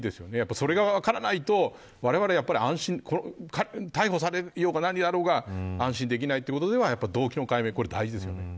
それが分からないとわれわれ、やっぱり逮捕されようが何であろうが安心できないということでは動機の解明が大事ですよね。